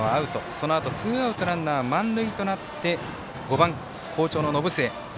そのあと、ツーアウトランナー、満塁となって５番、好調の延末。